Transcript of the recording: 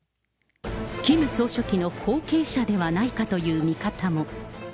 キム総書記の後継者ではないかという見方も。